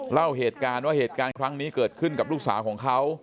เล่าเหตุการณ์ว่าเหตุการณ์ครั้งนี้เกิดขึ้นกับลูกสาวของเขา